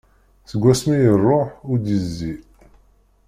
Seg wasmi i iruḥ ur d-yezzi.